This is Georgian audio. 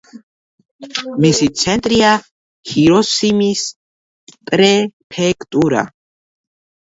მისი ცენტრია ჰიროსიმის პრეფექტურა.